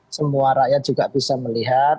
semua rakyat juga bisa melihat